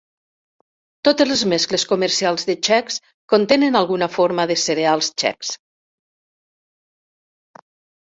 Totes les mescles comercials de Chex contenen alguna forma de cereals Chex.